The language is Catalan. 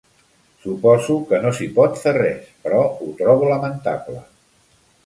Suposo que no s'hi pot fer res, però ho trobo lamentable.